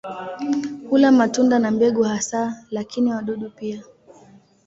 Hula matunda na mbegu hasa, lakini wadudu pia.